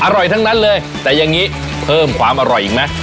อร่อยทั้งนั้นเลยแต่อย่างนี้เพิ่มความอร่อยอีกไหม